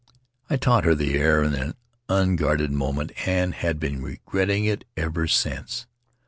I taught her the air in an unguarded moment and had been regretting it ever since.